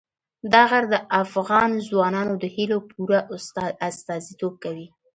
دا غر د افغان ځوانانو د هیلو پوره استازیتوب کوي.